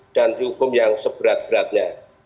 dan dihukum yang sebetulnya